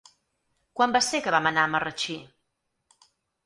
Quan va ser que vam anar a Marratxí?